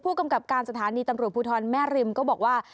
กำกับการสถานีตำรวจภูทรแม่ริมก็บอกว่า